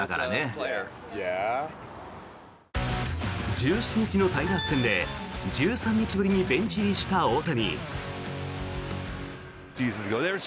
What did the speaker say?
１７日のタイガース戦で１３日ぶりにベンチ入りした大谷。